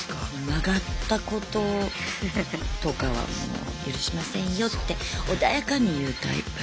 曲がったこととかは許しませんよって穏やかに言うタイプ。